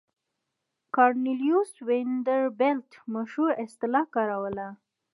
کارنلیوس وینډربیلټ مشهوره اصطلاح کاروله.